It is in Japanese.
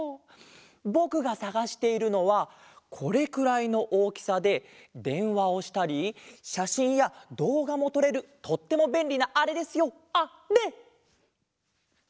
ぼくがさがしているのはこれくらいのおおきさででんわをしたりしゃしんやどうがもとれるとってもべんりなあれですよあれ！